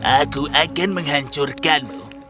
aku akan menghancurkanmu